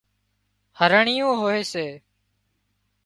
هرڻيئيون هوئي سي